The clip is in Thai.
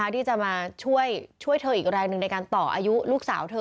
ที่จะมาช่วยเธออีกแรงหนึ่งในการต่ออายุลูกสาวเธอ